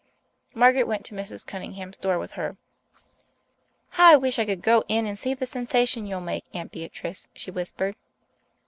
Margaret went to Mrs. Cunningham's door with her. "How I wish I could go in and see the sensation you'll make, Aunt Beatrice," she whispered.